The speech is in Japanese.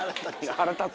腹立つ。